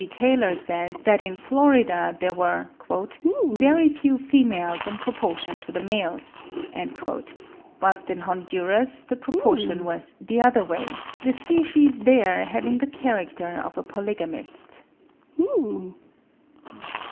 Taylor says, that in Florida there were "very few females in proportion to the males," (68. 'Ibis,' 1862, p. 187.) whilst in Honduras the proportion was the other way, the species there having the character of a polygamist.